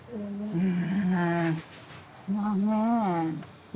うん。